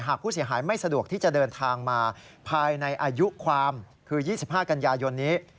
หากผู้เสียหายไม่สะดวกที่จะเดินทางมาภายในอายุความคือ๒๕กันยายนนี้